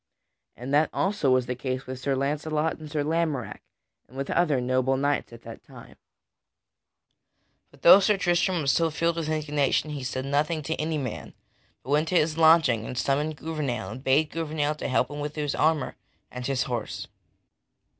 And that also was the case with Sir Launcelot and Sir Lamorack, and with other noble knights at that time. [Sidenote: Sir Tristram arms himself] But though Sir Tristram was so filled with indignation he said nothing to any man, but went to his lodging and summoned Gouvernail, and bade Gouvernail to help him to his armor and his horse.